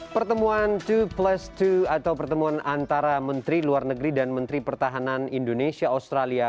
pertemuan dua plus dua atau pertemuan antara menteri luar negeri dan menteri pertahanan indonesia australia